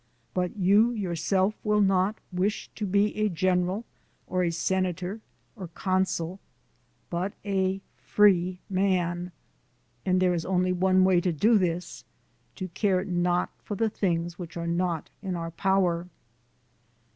But you yourself will not wish to be a general or a senator or consul, but a free man, and there is only one way to do this, to care not for the things which are not in our power.'"